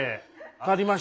借りました。